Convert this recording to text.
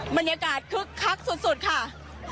บรรยากาศคึกคักสุดค่ะ